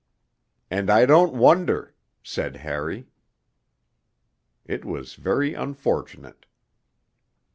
'And I don't wonder,' said Harry. It was very unfortunate.